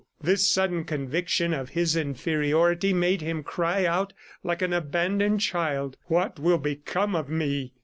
This sudden conviction of his inferiority made him cry out like an abandoned child, "What will become of me?"